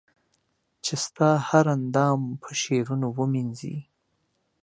چي ستا هر اندام په شعرونو و مېنځنې